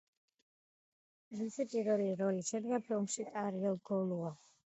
მისი პირველი როლი შედგა ფილმში „ტარიელ გოლუა“.